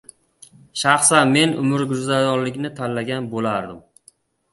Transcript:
Shaxsan men umrguzaronlikni tanlagan bo‘lardim.